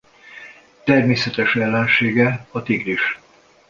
Természetes ellensége a tigris.